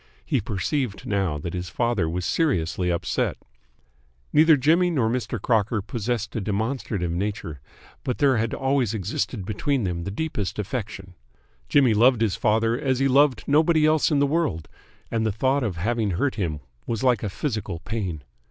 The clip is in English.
He perceived now that his father was seriously upset. Neither Jimmy nor Mr. Crocker possessed a demonstrative nature, but there had always existed between them the deepest affection. Jimmy loved his father as he loved nobody else in the world, and the thought of having hurt him was like a physical pain.